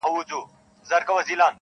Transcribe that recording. او فضا غمجنه ښکاري ډېر,